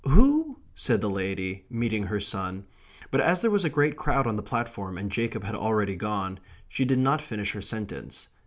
"Who..." said the lady, meeting her son; but as there was a great crowd on the platform and Jacob had already gone, she did not finish her sentence.